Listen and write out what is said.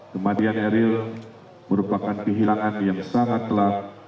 kematian eril merupakan kehilangan yang sangat telat